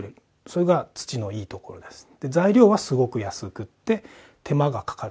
それが土のいいところです。